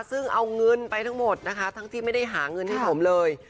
ซึ่งเอาเงินไปทั้งหมดนะคะทั้งที่ไม่ได้หาเงินให้ผมเลย